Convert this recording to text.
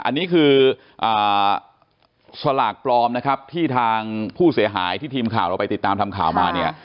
อันนี้คือสลากปลอมนะครับที่ทางผู้เสียหายที่ทีมข่าวเราไปติดตามทำข่าวมาเนี่ย